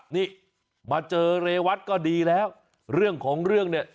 นี่มาเจอเรวัตก็ดีแล้วเรื่องของเรื่องเนี่ย